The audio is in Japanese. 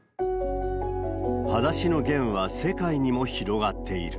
はだしのゲンは世界にも広がっている。